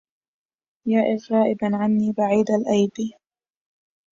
يا غائبا عني بعيد الإياب